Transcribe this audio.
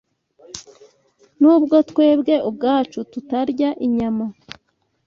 Nubwo twebwe ubwacu tutarya inyama,